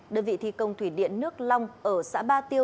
đơn vị thi công thủy điện nước long ở xã ba tiêu